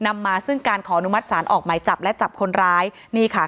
นำมาซึ่งการขออนุมัติศาลออกหมายจับและจับคนร้ายนี่ค่ะ